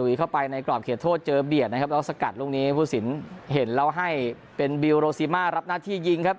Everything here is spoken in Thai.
ลุยเข้าไปในกรอบเขตโทษเจอเบียดนะครับแล้วสกัดลูกนี้ผู้สินเห็นแล้วให้เป็นบิลโรซิมารับหน้าที่ยิงครับ